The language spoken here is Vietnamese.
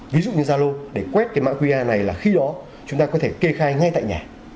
ví dụ như zalo để quét cái mã qr này là khi đó chúng ta có thể kê khai ngay tại nhà